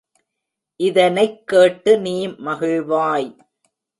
இதனைக் கேட்டு நீ மகிழ்வாய்.